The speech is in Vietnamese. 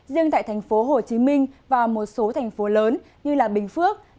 riêng tại thành phố hồ chí minh và một số thành phố lớn như bình phước